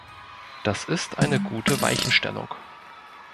Das ist eine gute Weichenstellung.